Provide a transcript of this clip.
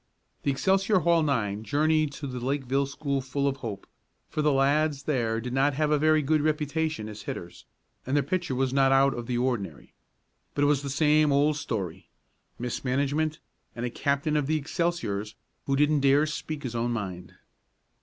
The Excelsior Hall nine journeyed to the Lakeview school full of hope, for the lads there did not have a very good reputation as hitters, and their pitcher was not out of the ordinary. But it was the same old story mismanagement, and a captain of the Excelsiors who didn't dare speak his own mind.